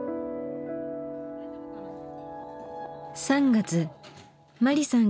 ３月マリさん